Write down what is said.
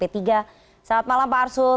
selamat malam pak arsul